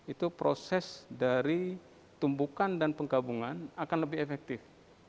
itu proses dari tumbukan dan penggabungan akan lebih efektif